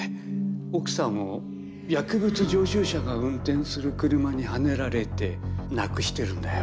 奥さんを薬物常習者が運転する車にはねられて亡くしてるんだよ。